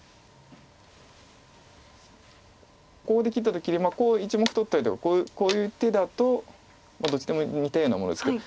ここで切った時に１目取ったりとかこういう手だとどっちも似たようなもんですけど。